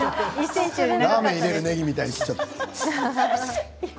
ラーメンに入れるねぎみたいに切っちゃった。